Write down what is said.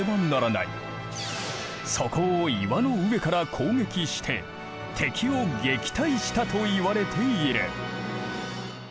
そこを岩の上から攻撃して敵を撃退したと言われている。